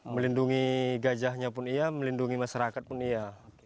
melindungi gajahnya pun iya melindungi masyarakat pun iya